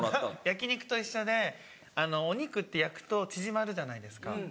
焼き肉と一緒でお肉って焼くと縮まるじゃないですか。